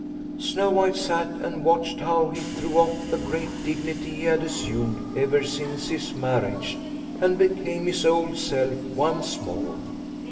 Snow White sat and watched how he threw off the great dignity he had assumed ever since his marriage, and became his old self once more.